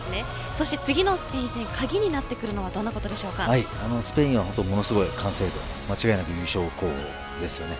そして、次のスペイン戦鍵になってくるのはスペインは本当ものすごい完成度も間違いなく優勝候補ですよね。